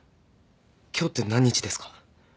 今日って何日ですか？